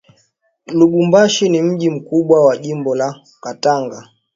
Lubumbashi ni mji mkubwa wa jimbo la katanga